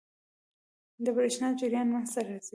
برېښنايي جریان منځ ته راځي.